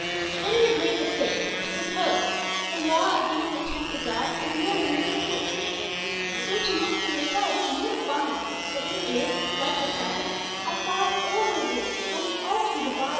It is a great mistake to suppose that the law of giving the tenth to God is merely Levitical. 'Search and look' for yourselves, and you will find that it is, like the Sabbath, a far older rule, running all through the Bible,[footnote: See Gen. xiv.